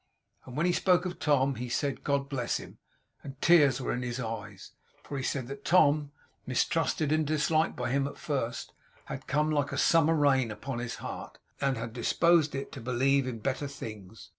And when he spoke of Tom, he said God bless him; and the tears were in his eyes; for he said that Tom, mistrusted and disliked by him at first, had come like summer rain upon his heart; and had disposed it to believe in better things.